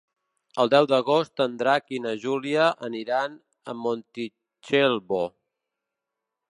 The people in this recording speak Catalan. El deu d'agost en Drac i na Júlia aniran a Montitxelvo.